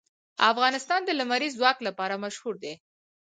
افغانستان د لمریز ځواک لپاره مشهور دی.